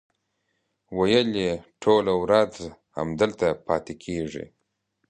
ویل یې ټوله ورځ همدلته پاتې کېږي.